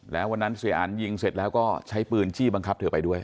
แล้ววันนั้นเสียอันยิงเสร็จแล้วก็ใช้ปืนจี้บังคับเธอไปด้วย